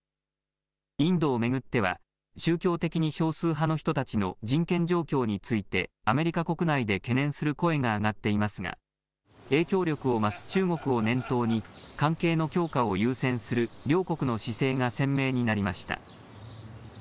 インドを巡っては、宗教的に少数派の人たちの人権状況について、アメリカ国内で懸念する声が上がっていますが、影響力を増す中国を念頭に、関係の強化を優先する両国の姿勢が鮮明になりました。